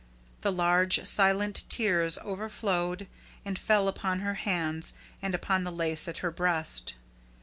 And large silent tears overflowed and fell upon her hands and upon the lace at her breast.